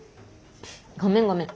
ごめんごめん。